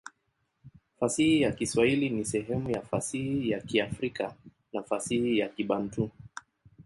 Fasihi ya Kiswahili ni sehemu ya fasihi ya Kiafrika na fasihi ya Kibantu.